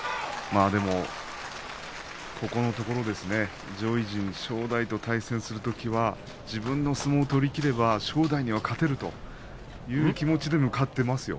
ここのところ上位陣、正代と対戦するときは自分の相撲を取りきれば正代には勝てるという気持ちでかかっています。